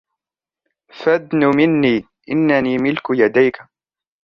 فادنُ منّي.. إنّني ملك يديك.